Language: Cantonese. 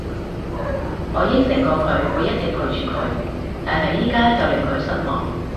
我應承過佢會一直陪住佢，但係而家就令佢失望